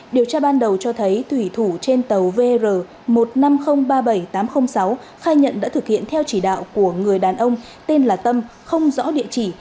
điều tra ban đầu cho thấy thủy thủ trên tàu vr một năm không ba bảy tám không sáu khai nhận đã thực hiện theo chỉ đạo của người đàn ông tên là tâm không rõ địa chỉ